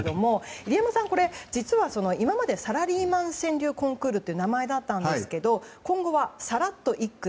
入山さん、これまでサラリーマン川柳コンクールって名前だったんですけど今後は、サラッと一句！